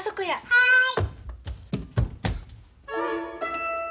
はい。